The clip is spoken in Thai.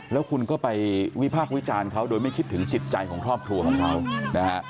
แล้วคุณก็ไปวิพากษ์วิจารณ์เขาโดยไม่คิดถึงจิตใจของครอบครัวของเขานะฮะ